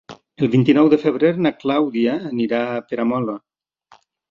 El vint-i-nou de febrer na Clàudia anirà a Peramola.